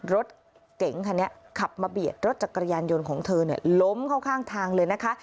รถเก๋งคันนี้ขับมาเบียดรถจักรยานยนต์ของเธอล้มเข้าข้างทางเลยนะคะ